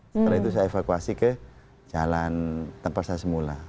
setelah itu saya evakuasi ke jalan tanpa rasa semula